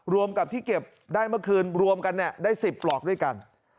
รวมกับที่เก็บได้เมื่อคืนรวมกันได้๑๐ปลอกด้วยกัน